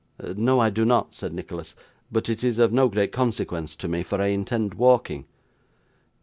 'No, I do not,' said Nicholas; 'but it is of no great consequence to me, for I intend walking.